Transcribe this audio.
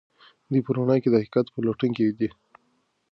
دی په رڼا کې د حقیقت پلټونکی دی.